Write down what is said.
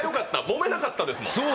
もめなかったですもん。